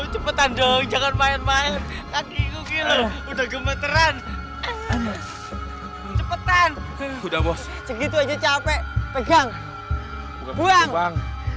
cepetan dong jangan main main kaki udah gemeteran cepetan udah bos begitu aja capek pegang buang